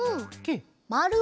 まる？